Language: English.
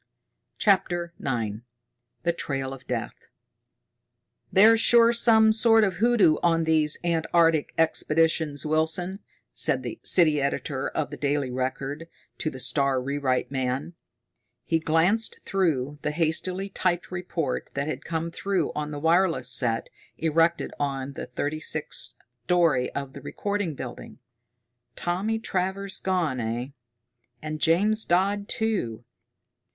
CHAPTER IX The Trail of Death "There's sure some sort of hoodoo on these Antarctic expeditions, Wilson," said the city editor of The Daily Record to the star rewrite man. He glanced through the hastily typed report that had come through on the wireless set erected on the thirty sixth story of the Record Building. "Tommy Travers gone, eh? And James Dodd, too!